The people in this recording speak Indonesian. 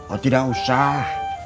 oh tidak usah